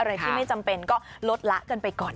อะไรที่ไม่จำเป็นก็ลดละกันไปก่อน